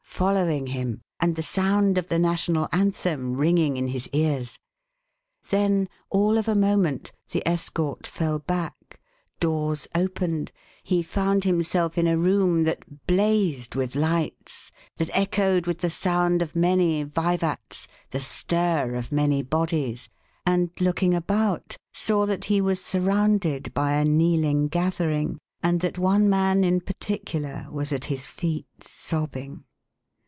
following him and the sound of the National Anthem ringing in his ears; then, all of a moment, the escort fell back, doors opened, he found himself in a room that blazed with lights, that echoed with the sound of many vivats, the stir of many bodies, and looking about saw that he was surrounded by a kneeling gathering and that one man in particular was at his feet, sobbing.